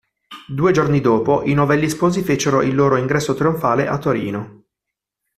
Due giorni dopo, i novelli sposi fecero il loro "ingresso trionfale" a Torino.